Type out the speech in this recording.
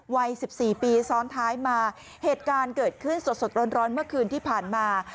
วัย๑๔ปีซ้อนท้ายมาเหตุการณ์เกิดขึ้นสดร้อนเมื่อคืนที่ผ่านมา